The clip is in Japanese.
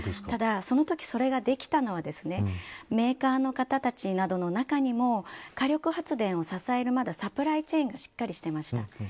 ただそのとき、それができたのはメーカーの方たちの中にも火力発電を支えるサプライチェーンがしっかりしていました。